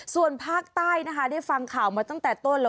ส่วนภาคใต้นะคะได้ฟังข่าวมาตั้งแต่ต้นแล้ว